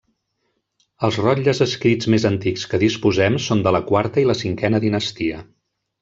Els rotlles escrits més antics que disposem són de la quarta i la cinquena dinastia.